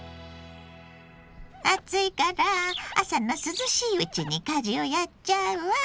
暑いから朝の涼しいうちに家事をやっちゃうわ。